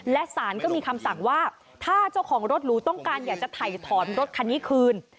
และสารก็มีคำสั่งว่าถ้าเจ้าของรถหรูต้องการอยากจะถ่ายถอนรถคันนี้คืน